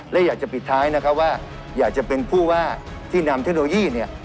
และอยากจะปิดท้ายนะครับว่าอยากจะเป็นผู้ว่าที่นำเทคโนโลยีเนี่ย